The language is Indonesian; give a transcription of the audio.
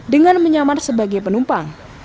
dengan menyamar sebagai pemerintah